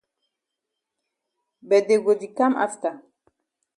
But dey go di kam afta.